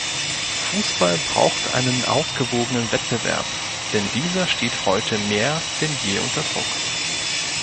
Fußball braucht einen ausgewogenen Wettbewerb, denn dieser steht heute mehr denn je unter Druck.